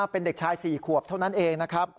เป็นเด็กชาย๔ขวบเท่านั้นเอง